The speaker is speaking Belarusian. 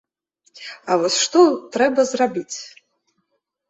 А вось што трэба зрабіць?